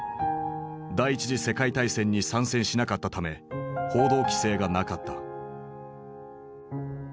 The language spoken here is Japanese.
第一次世界大戦に参戦しなかったため報道規制がなかった。